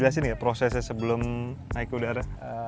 bisa dijelaskan prosesnya sebelum naik ke udara